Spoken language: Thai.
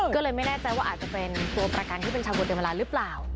ก็เลยไม่แน่ใจว่าอาจจะเป็นตัวประกันที่เป็นชาวกฎเดิมเวลาหรือเปล่า